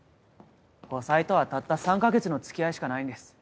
後妻とはたった３か月の付き合いしかないんです。